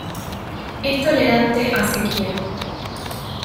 Es tolerante a sequía.